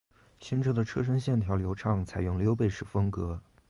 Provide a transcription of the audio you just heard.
新车的车身线条流畅，采用溜背式风格